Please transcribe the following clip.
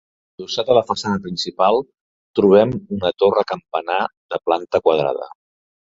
Adossat a la façana principal trobem una torre campanar de planta quadrada.